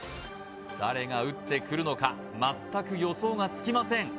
誰が打ってくるのか全く予想がつきません